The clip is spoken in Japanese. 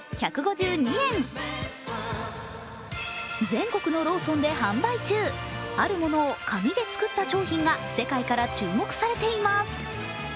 全国のローソンで販売中、あるものを紙で作った商品が世界から注目されています。